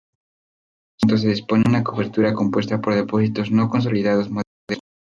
Sobre este basamento se dispone una cobertura compuesta por depósitos no consolidados modernos.